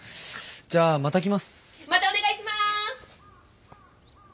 またお願いします！